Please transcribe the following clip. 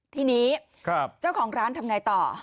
ทีนี้เจ้าของร้านทำไงต่อ